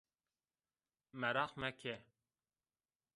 Meraq meke